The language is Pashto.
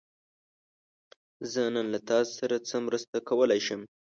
زه نن له تاسو سره څه مرسته کولی شم؟